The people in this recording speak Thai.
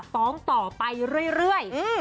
ฟ้องต่อไปเรื่อย